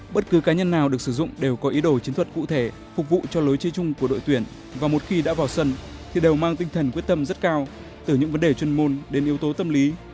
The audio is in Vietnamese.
bất cứ cá nhân nào được sử dụng đều có ý đồ chiến thuật cụ thể phục vụ cho lối chơi chung của đội tuyển và một khi đã vào sân thì đều mang tinh thần quyết tâm rất cao từ những vấn đề chuyên môn đến yếu tố tâm lý